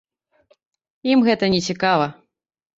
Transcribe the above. Ім гэта не цікава.